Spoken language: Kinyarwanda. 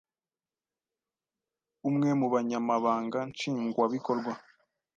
Umwe mu Banyamabanga nshingwabikorwa